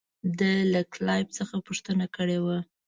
ده له کلایف څخه پوښتنه کړې وه.